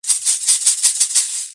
ეს წინასწარმეტყველება ახლა.